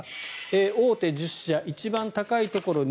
大手１０社一番高いところ２